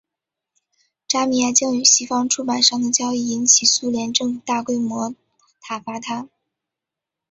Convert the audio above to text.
扎米亚京与西方出版商的交易引起苏联政府大规模挞伐他。